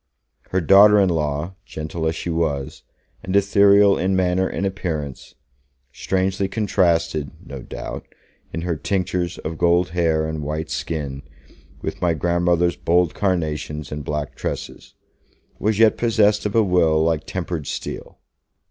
Her daughter in law, gentle as she was, and ethereal in manner and appearance strangely contrasted (no doubt), in her tinctures of gold hair and white skin, with my grandmother's bold carnations and black tresses was yet possessed of a will like tempered steel.